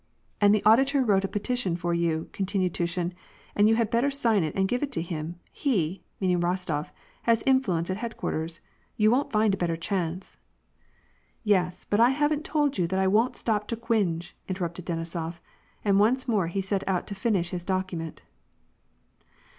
" And the auditor wrote a petition for you," continued Tu shin, " and you had better sign it and give it to him. He "— meaning Rostof —" has influence at headquarters. You won't find a better chance." " Yes, but haven't I told you that I won't stoop to cwinge," interrupted Denisof, and once more he set out to finish his doc ument.